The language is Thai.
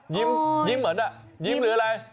ยิ้มเหมือนยิ้มหรืออะไร